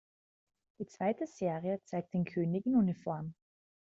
Die zweite Serie zeigt den König in Uniform.